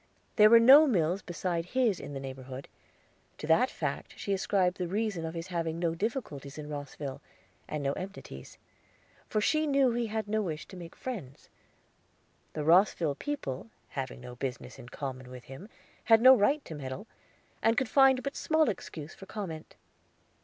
There were no mills beside his in the neighborhood; to that fact she ascribed the reason of his having no difficulties in Rosville, and no enmities; for she knew he had no wish to make friends. The Rosville people, having no business in common with him, had no right to meddle, and could find but small excuse for comment.